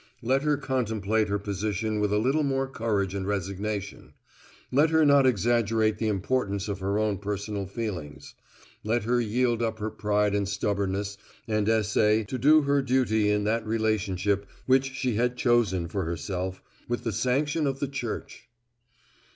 Let her contemplate her position with a little more courage and resignation; let her not exaggerate the importance of her own personal feelings; let her yield up her pride and stubbornness and essay to do her duty in that relationship which she had chosen for herself, with the sanction of the Church.